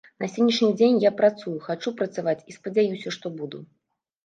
На сённяшні дзень я працую, хачу працаваць, і спадзяюся, што буду.